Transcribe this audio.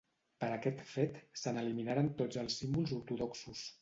Per aquest fet, se n'eliminaren tots els símbols ortodoxos.